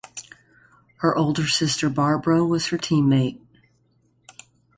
Her older sister Barbro was her teammate.